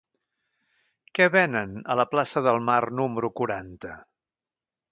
Què venen a la plaça del Mar número quaranta?